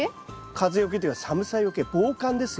風よけっていうか寒さよけ防寒ですよね。